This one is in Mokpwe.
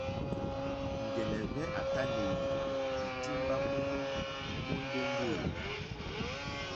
Njɛ̀nɛ̀ hvɛ a tanɛ̀i lì timba mono mondeŋge e.